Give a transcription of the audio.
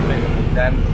untuk mengambil kebutuhan